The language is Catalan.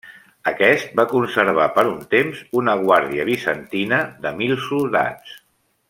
Aquest va conservar per un temps una guàrdia bizantina de mil soldats.